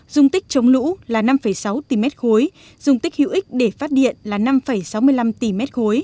dung tích chống lũ là năm sáu tỷ m ba dùng tích hữu ích để phát điện là năm sáu mươi năm tỷ m ba